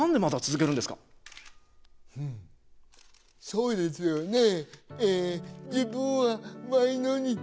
そうですよね。